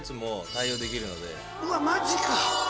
うわマジか。